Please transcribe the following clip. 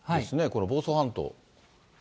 これ、房総半島。